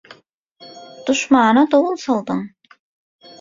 Duşmana dowul saldyň.